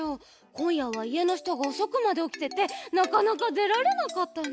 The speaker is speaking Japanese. こんやはいえのひとがおそくまでおきててなかなかでられなかったの。